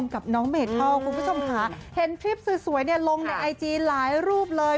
กับน้องเมทัลคุณผู้ชมค่ะเห็นคลิปสวยเนี่ยลงในไอจีหลายรูปเลย